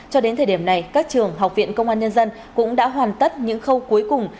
cho đến thời điểm này các trường học viện công an nhân dân cũng đã hoàn tất những khâu cuối cùng